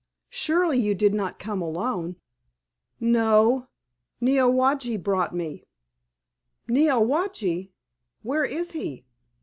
"Surely you did not come alone?" "No, Neowage brought me." "Neowage? Where is he?"